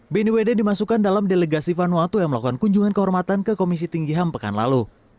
bni wd dimasukkan dalam delegasi vanuatu yang melakukan kunjungan kehormatan ke komisi tinggi ham pekan lalu